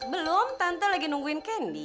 belum tante lagi nungguin candi